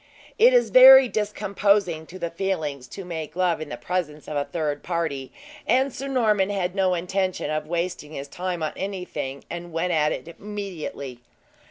It is very discomposing to the feelings to make love in the presence of a third party; and Sir Norman had no intention of wasting his time on anything, and went at it immediately.